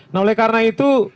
nah oleh karena itu